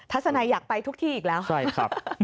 ทัศนัยอยากไปทุกที่อีกแล้วค่ะใช่ครับ